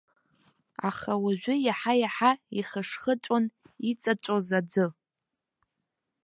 Аха уажәы иаҳа-иаҳа ихышхыҵәон иҵаҵәоз аӡы.